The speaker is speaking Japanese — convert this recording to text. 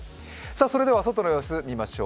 外の様子、見ましょう。